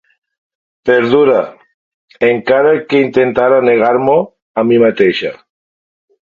Perduda, encara que intentara negar-m'ho a mi mateixa.